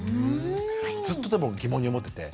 ずっとでも疑問に思ってて。